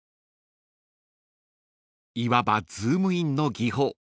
［いわばズームインの技法］